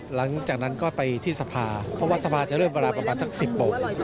หลังจากนั้นก็ไปที่สภาเพราะว่าสภาจะเริ่มเวลาประมาณสัก๑๐โมง